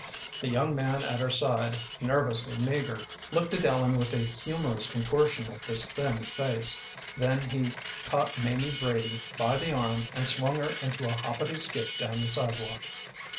The young man at her side, nervously meagre, looked at Ellen with a humorous contortion of this thin face, then he caught Mamie Brady by the arm, and swung her into a hopity skip down the sidewalk.